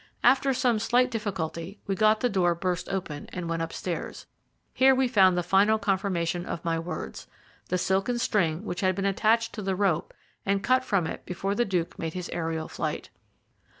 After some slight difficulty we got the door burst open and went upstairs. Here we found the final confirmation of my words the silken string which had been attached to the rope and cut from it before the Duke made his aerial flight.